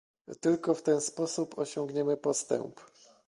Tylko w ten sposób osiągniemy postęp